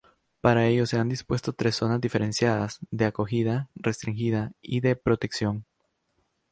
Para ello se han dispuesto tres zonas diferenciadas: de acogida, restringida y de protección.